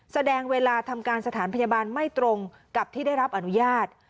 แสดงเวลาทำการสถานพยาบาลไม่ตรงกับที่ได้รับอนุญาต